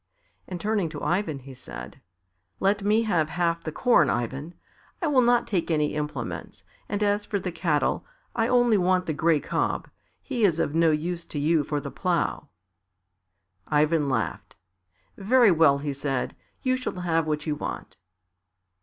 And turning to Ivan, he said, "Let me have half the corn, Ivan. I will not take any implements, and as for the cattle, I only want the grey cob; he is of no use to you for the plough." Ivan laughed. "Very well," he said, "you shall have what you want."